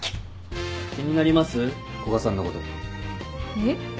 えっ？